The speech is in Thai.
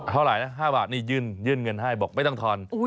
เท่าไหร่นะ๕บาทนี่ยื่นเงินให้บอกไม่ต้องทอน